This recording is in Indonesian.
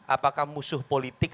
apakah musuh politik